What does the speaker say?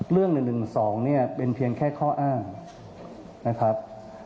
เรื่อง๑๑๒เนี่ยเป็นเพียงแค่ข้ออ้างนะครับ